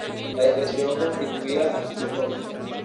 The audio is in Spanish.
La discreción constituía su tónica.